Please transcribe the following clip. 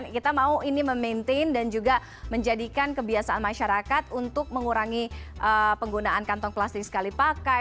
kita mau ini memaintain dan juga menjadikan kebiasaan masyarakat untuk mengurangi penggunaan kantong plastik sekali pakai